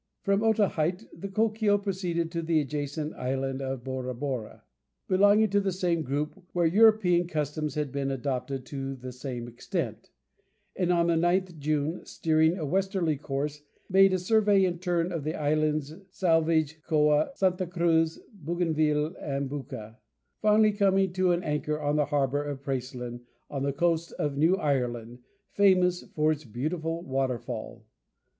From Otaheite the Coquille proceeded to the adjacent island of Borabora, belonging to the same group, where European customs had been adopted to the same extent; and on the 9th June, steering a westerly course, made a survey in turn of the islands Salvage, Coa, Santa Cruz, Bougainville, and Bouka; finally coming to an anchor in the harbour of Praslin, on the coast of New Ireland, famous for its beautiful waterfall.